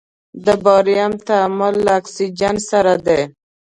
د باریم تعامل له اکسیجن سره دی.